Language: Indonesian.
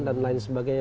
dan lain sebagainya